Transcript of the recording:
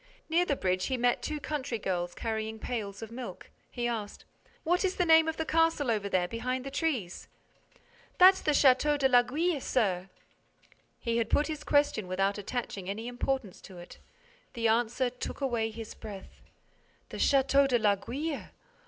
Near the bridge, he met two country girls carrying pails of milk. He asked: "What is the name of the castle over there, behind the trees?" "That's the Château de l'Aiguille, sir." He had put his question without attaching any importance to it. The answer took away his breath: "The Château de l'Aiguille?